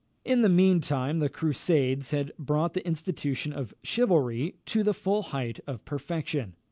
In the mean time, the Crusades had brought the institution of chivalry to the full height of perfection.